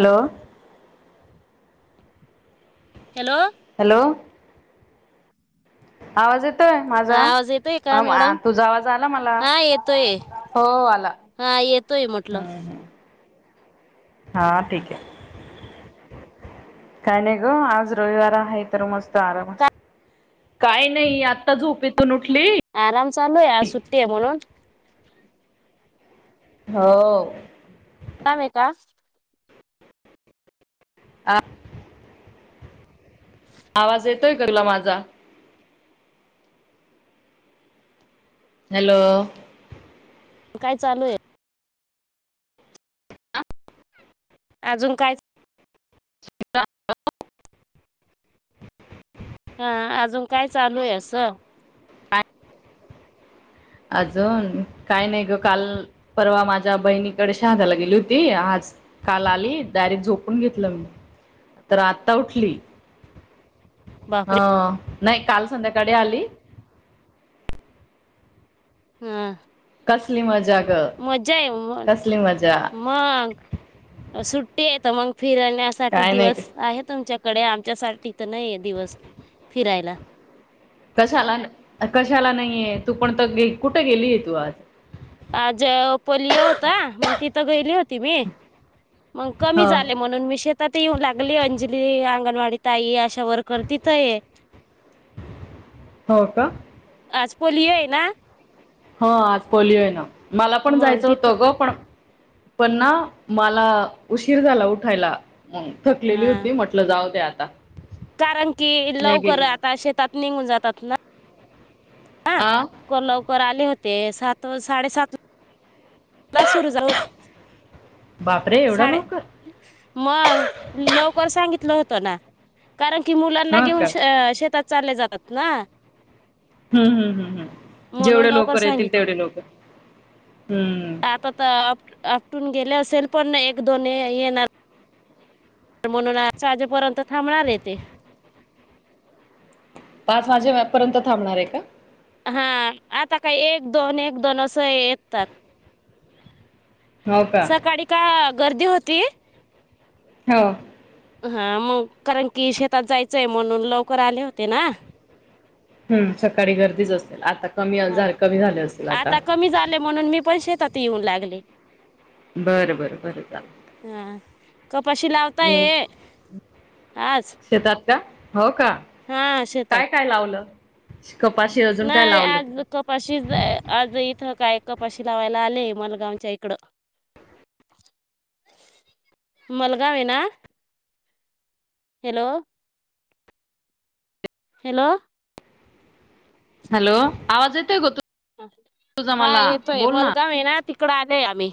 Hello. Hello hello आवाज येतोय हा आवाज येतोय का माझा मॅडम तुझा आवाज आला मला? हा येतोय हो आला हा येतोय म्हटलं ह्. हा ठीक आहे. काय नाही ग आज रविवार आहे तर मस्त आराम काय नाही आत्ता झोपतून उठली. आराम चालू आहे सुट्टी आहे म्हणून हो. काम का? अ आवाज येतोय तूला माझा? हॅलो काय चालू आहे? अजून काय? श [unintelligible] हा अजून काय चालू आहे अस? अजून काय नाही ग काल परवा माझ्या बहिणीकडे शहाजाला गेली होती. आज काल आली डायरेक्ट झोपून घेतलं मी तर आता उठली. [unintelligible] बा ह नाही काल संध्याकाळी आली. हम् कसली मजा ग मग कसली मजा? मग सुट्टी येत मग फिरण्यासाठी काय नाही दिवस आहे तुमच्या कडे आमच्यासाठी तर नाही दिवस फिरायला कशाला, कशाला नाहीे तू पण त गे कुठे गेली आहे तू आज? आ ज पोलिओ होता मग तिथं गेली होती. मी मग कमी ह झाले म्हणून मी श आ ते येऊन लागली अंजली अंगणवाडी ताई अशा वर्कर तिथंय हो का? आज पोलिओ आहे ना? ह आज पोलिओ आहे ना मला पण मग जायचं तिथं होतं ग पण पण ना मला उशीर झाला उठायला थकलेली हा होती म्ह जाऊदे आता. कारण की नाही लवकर गेली आता मग शेतात निघून जातात ना. हा आ लवकर लवकर आले होते सात साडे सात ला सुरू जाऊत बापरे एवढा साडे. लवकर मग लवकर सांगितलं होतं ना. कारण कि मुलांना हा घेऊन का शेतात चालले जातात ना? हम्म हम्म हम्म हम् म्हणून जेवढे लवकर लोक राहतील सांगितलं तेवढे लोक हम्मम्म. आता तर आप आपटून गेले असेल पण एक, दोन येणार तर म्हणून आ आजेपर्यंत थांबणार य तेे पाच वाजेपर्यंत थांबणार आहे का? हा आता काय एक दोन एक दोन असं येतात. हो का सकाळी का गर्दी होती? हो. हा मग कारण की शेतात जायचंय म्हणून लवकर आले होते ना. हम्म सकाळी गर्दीच असते आता कमी हा झा कमी झाले असल आता. कमी झाले म्हणून मी पार शेतात येऊन लागले. ह [unintelligible] बर, बर, बर चाल. हा कपाशी लावताय आज शेतात. का हो का हा शेतात काय काय लावलं कपाशी अजून काय नाही लावल? आज कपाशी आज इथं काय कपाशी लावायला आले मलगावच्या इकडं. [inaudible] मलगाव आहे ना. हॅलो. हॅलो. हॅलो आवाज येतय गो तू तुझा हा मला येतोय बोल ना. मलगाव आहे तिकडं आले आहे आम्ही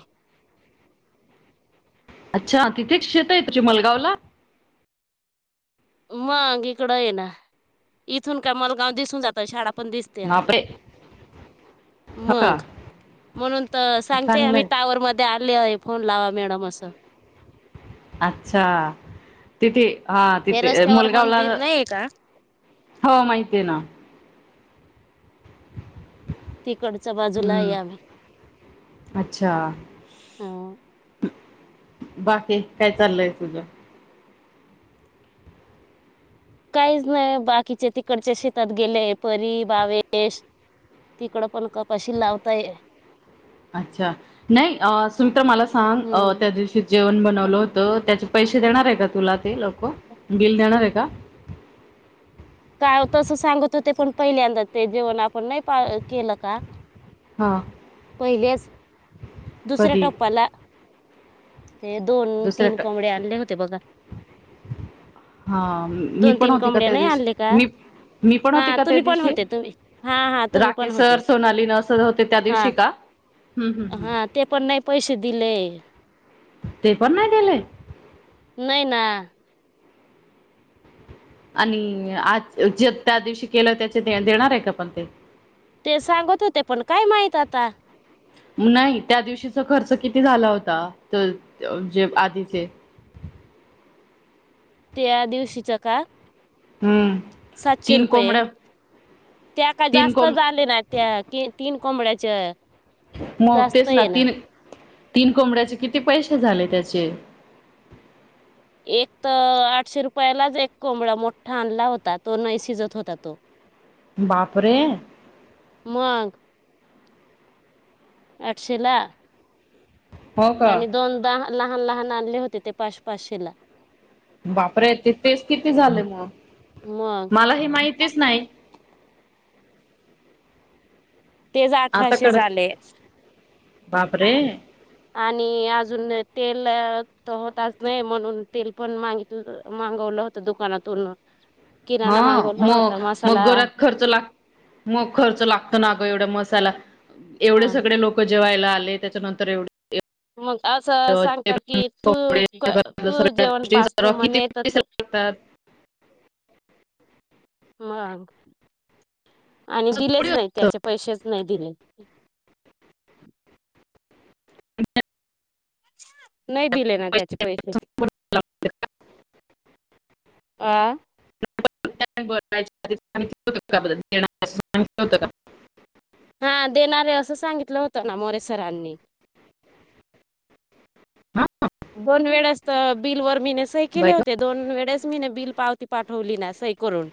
अच्छा तिथेच शेत आहे तुझे मलगावला. मग इकडं आहे ना इथून काय मलगाव दिसून जातं शाळा पण दिस बापरे. हो का मग म्हणून तर सांगते आम्ही चांगलंय पावर मध्ये. ते आले आहे फोन लावा मॅडम अस. अच्छा तिथे हा ते तिथे रस्त्यावर मुळगावला मंदिर नाही का हो माहिती आहे ना. तिकडच्या बाजूला आहे हम्म आम्ही अच्छा. ह बाकी काय चाललंय तुझ? काहीच नाही बाकीचे तिकडच्या शेतात गेलेय परी भावेश तिकड पण कपाशी लावताय. अच्छा नाही सुमित्रा मला सांग हम्म त्या दिवशी जेवण बनवलं होतं त्याच्या पैसे देणार आहे का तुला ते लोक बिल देणार आहे का? काय तसं सांगत होते पण पहिल्यांदा ते जेवण आपण नाही पा केलं का. हा [inaudible] पहिल्याच दुसऱ्या कधी? टप्पाला ते दोन, दुसऱ्या तीन ट कोबडे आणले होते बघा. हां. मी दोन, पण तीन होती का कोबड्या त्या नाही दिवशी? आणले का. मी मी पण होती हा का त्या तुम्ही पण दिवशी? होते तुम्ही हा हा तुम्ही पण राकेश होते सर, सोनाली न सर होते त्या हा. दिवशी का? हं, हं, हं. हा ते पण नाही पैसे दिले. ते पण नाही दिले. नाही ना. आणि आज जे त्या दिवशी केलं त्याचे देणार आहे का पण ते? ते सांगत होते पण काय माहित आता. नाही त्या दिवशीचा खर्च किती झाला होता जे आधीचे? त्या दिवशीच का. हं. सातशे रुपये कोंबड्या त्या का तीन जास्त कोंब झाले ना त्या तीन कोबडयाचे मग तेच ना तीन तीन कोंबड्याचे किती पैसे झाले त्याचे? एक तर आठशे रुपयालाच एक कोंबळा मोठा आणला होता तो नाही शिजत होता त. बापरे मग [inaudible] आठशेला. हो का आणि दोन द लहान, लहान आणले होते ते पाच, पाचशे ला. बापरे ते तेच किती झाले मग मग मला हे माहितीच नाही. तेच आता अठराशे कळत झाले.... बापरे.... आणि अजून तेल होतच नाही म्हणून तेल पण मागित... तू मगवलं होतं दुकानातूनन... हा मग मग मसाला घरात खर्च लागत.... मग खर्च लागत ना ग एवढ मसायला एवढे हा सगळे लोक जेवायला आले त्याच्यानंतर एवढ... मग असं सांगत की तू कोंबडे तू सगळ्या जेवण गोष्टी पाचते सर्व किती म्हणे तर पैसे तू... लागतात मग.... आणि असं दिलेच थोडी नाही असतं त्याचे पैसेच नाही दिले.... नाही दिले ना त्याचे पैसे... पैसे अं.... होत का? हा देणार आहे असं सांगितलं होतं ना मोरेसरांनी का हा दोन वेळ असतं बिल व मने... सही केले बाई होते दोन वेळेस मी ना बिल पावती पाठवली ना सही करून....